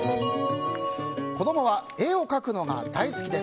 子供は絵を描くのが大好きです。